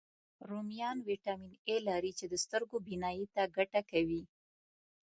رومیان ویټامین A لري، چې د سترګو بینایي ته ګټه کوي